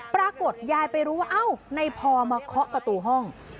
ปรากฏยายไปรู้ว่าเอ้าในพอมาเคาะประตูห้อง